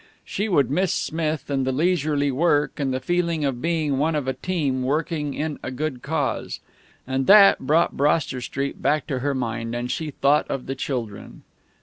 She would miss Smith and the leisurely work and the feeling of being one of a team, working in a good cause. And that, brought Broster Street back to her mind, and she thought of the children.